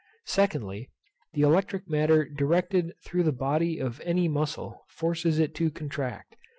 Secondly, The electric matter directed through the body of any muscle forces it to contract.